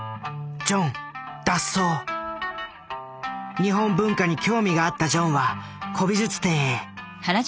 日本文化に興味があったジョンは古美術店へ。